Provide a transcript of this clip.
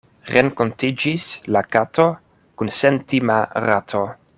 Renkontiĝis la kato kun sentima rato.